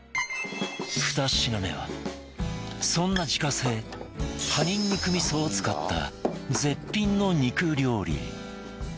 ２品目はそんな自家製葉ニンニク味噌を使った絶品の肉料理